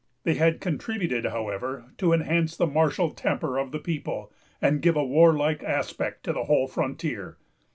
They had contributed, however, to enhance the martial temper of the people, and give a warlike aspect to the whole frontier.